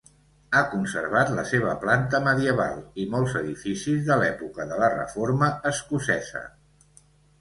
Ha conservat la seva planta medieval i molts edificis de l'època de la Reforma escocesa.